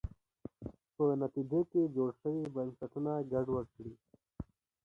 په نتیجه کې جوړ شوي بنسټونه ګډوډ کړي.